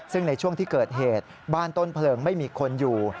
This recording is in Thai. ซึ่งในช่วงที่เกิดเหตุบ้านต้นเพลิงไม่มีคนอยู่